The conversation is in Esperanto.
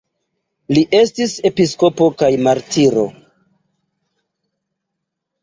Li estis episkopo kaj martiro.